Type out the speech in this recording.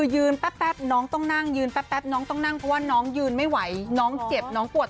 ยืนไม่ไหวน้องเจ็บน้องปวด